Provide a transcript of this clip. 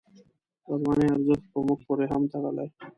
د افغانیو ارزښت په موږ پورې هم تړلی.